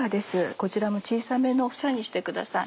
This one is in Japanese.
こちらも小さめの房にしてください。